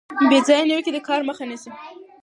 بې ځایه نیوکې د کار مخه نیسي.